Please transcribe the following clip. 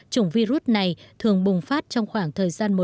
trùng virus này thường bùng phát trong khoảng thời gian một tuần